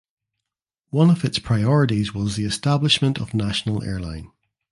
One of its priorities was the establishment of national airline.